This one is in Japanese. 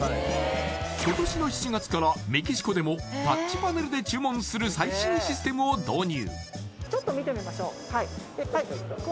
今年の７月からメキシコでもタッチパネルで注文する最新システムを導入